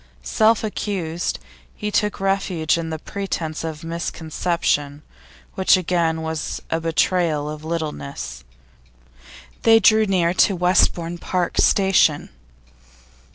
Self accused, he took refuge in the pretence of misconception, which again was a betrayal of littleness. They drew near to Westbourne Park station.